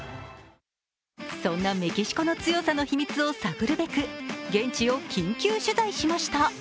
そんなメキシコの強さの秘密を探るべく、現地を緊急取材しました。